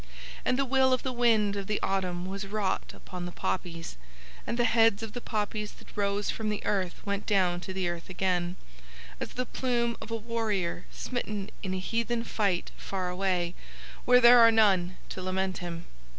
And the will of the wind of the autumn was wrought upon the poppies, and the heads of the poppies that rose from the earth went down to the earth again, as the plume of a warrior smitten in a heathen fight far away, where there are none to lament him.